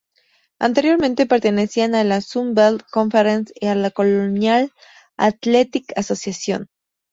Anteriormente pertenecían a la Sun Belt Conference y la Colonial Athletic Association.